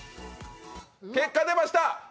結果出ました！